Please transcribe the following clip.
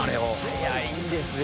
はやいんですよ